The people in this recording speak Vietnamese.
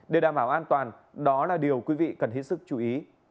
để đảm bảo an toàn đó là điều quý vị cần hết sức chú ý